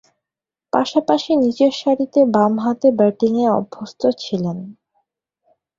পাশাপাশি নিচেরসারিতে বামহাতে ব্যাটিংয়ে অভ্যস্ত ছিলেন।